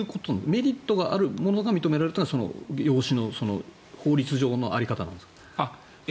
メリットがあるものが認められることが養子の法律上の在り方なんですか？